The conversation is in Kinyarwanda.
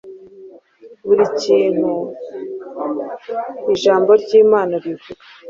buri kintu Ijambo ry’Imana rivuga.